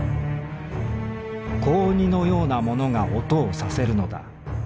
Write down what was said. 小オニのようなものが音をさせるのだ。